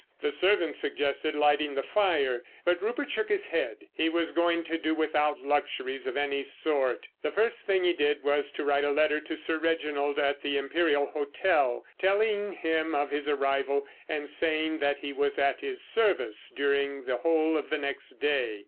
The servant suggested lighting the fire, but Rupert shook his head. He was going to do without luxuries of any sort. The first thing he did was to write a letter to Sir Reginald at the Imperial Hotel, telling him of his arrival and saying he was at his service during the whole of the next day.